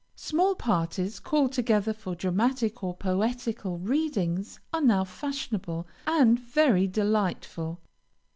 Small parties called together for dramatic or poetical readings, are now fashionable, and very delightful.